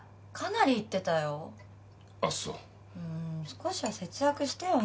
もう少しは節約してよね。